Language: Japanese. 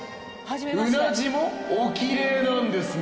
うなじもおきれいなんですね。